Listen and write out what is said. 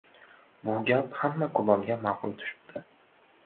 Bu gap hamma kulolga ma’qul tushibdi